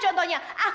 kau mau ngajak